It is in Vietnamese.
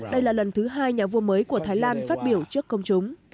đây là lần thứ hai nhà vua mới của thái lan phát biểu trước công chúng